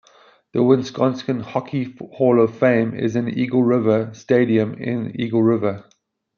The Wisconsin Hockey Hall of Fame is in Eagle River Stadium in Eagle River.